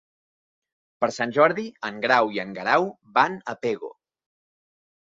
Per Sant Jordi en Grau i en Guerau van a Pego.